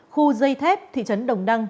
khu dây thép thị trấn đồng đăng